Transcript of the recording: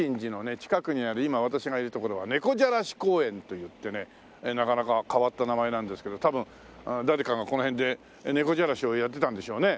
近くにある今私がいる所はねこじゃらし公園といってねなかなか変わった名前なんですけど多分誰かがこの辺で猫じゃらしをやってたんでしょうね。